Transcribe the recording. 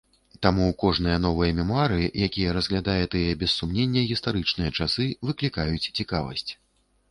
Таму кожныя новыя мемуары, якія разглядае тыя без сумнення гістарычныя часы, выклікаюць цікавасць.